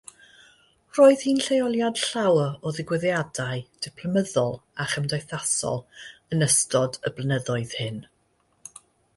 Roedd hi'n lleoliad llawer o ddigwyddiadau diplomyddol a chymdeithasol yn ystod y blynyddoedd hyn.